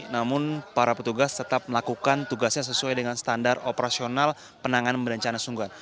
namun para petugas tetap melakukan tugasnya sesuai dengan standar operasional penanganan bencana sungguhan